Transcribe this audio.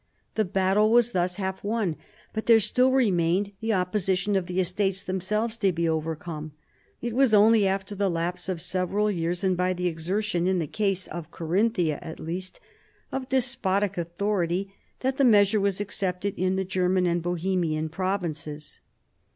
The battle was thus half won, but there still remained the op position of the Estates themselves to be overcome. It was only after tMe lapse of several years, and by the exertion (in the case of Carinthia at least) of despotic authority, that the measure was accepted in the German and Bohemian provinces.